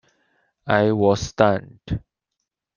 I was stunned.